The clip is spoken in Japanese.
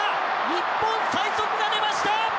日本最速が出ました！